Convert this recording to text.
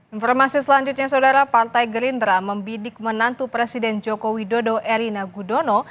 informasi selanjutnya saudara partai gerindra membidik menantu presiden joko widodo erina gudono